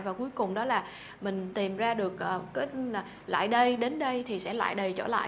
và cuối cùng đó là mình tìm ra được lại đây đến đây thì sẽ lại đầy trở lại